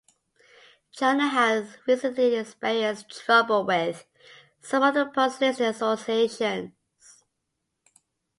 China has recently experienced trouble with some of the post listed associations.